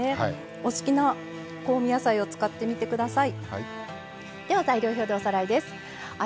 お好きな香味野菜を使ってみてください。